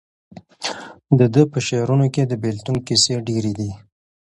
د ده په شعرونو کې د بېلتون کیسې ډېرې دي.